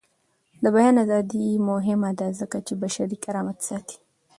د بیان ازادي مهمه ده ځکه چې بشري کرامت ساتي.